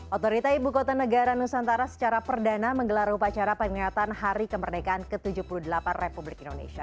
otorita ibu kota negara nusantara secara perdana menggelar upacara peringatan hari kemerdekaan ke tujuh puluh delapan republik indonesia